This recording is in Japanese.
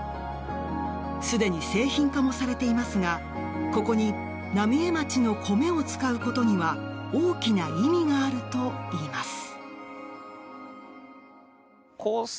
すでに製品化もされていますがここに浪江町の米を使うことには大きな意味があるといいます。